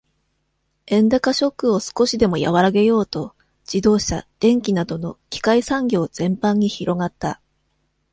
円高ショックを少しでも和らげようと、自動車、電機などの機械産業全般に広がった。